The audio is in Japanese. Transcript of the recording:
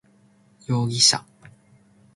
容疑者